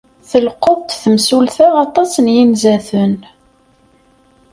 Telqeḍ-d temsulta aṭas n yinzaten.